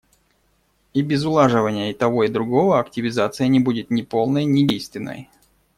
И без улаживания и того и другого активизация не будет ни полной, ни действенной.